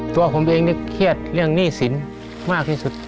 ตัวผมเองนึกเครียดเรื่องหนี้สินค้า